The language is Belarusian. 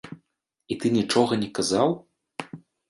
І ты нічога не казаў?